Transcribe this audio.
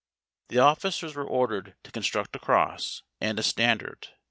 The officers were ordered to construct a cross, and a standard.